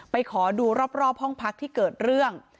ขอดูรอบห้องพักที่เกิดเรื่อง